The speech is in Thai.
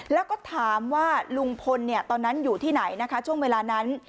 แล้วก็ถามว่าลุงพลตอนนั้นอยู่ที่ไหนนะคะช่วงเวลานั้น